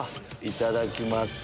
いただきます。